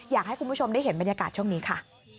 อยากให้คุณผู้ชมได้เห็นบรรยากาศช่วงนี้ค่ะ